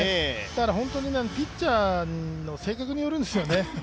だからピッチャーの性格によるんですよね。